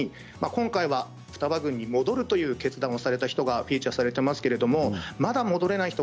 今回は双葉に戻るという決断をされた方がフィーチャーされていますけれども、まだ戻れない人